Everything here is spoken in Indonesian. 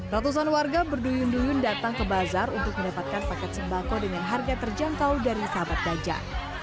ratusan warga berduyun duyun datang ke bazar untuk mendapatkan paket sembako dengan harga terjangkau dari sahabat ganjar